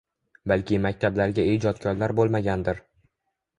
Balki maktablarga ijodkorlar bo‘lmagandir.